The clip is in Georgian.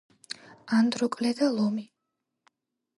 ანდროკლე და ლომი